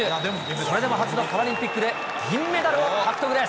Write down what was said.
それでも初のパラリンピックで銀メダルを獲得です。